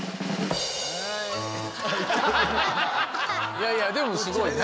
いやいやでもすごいね。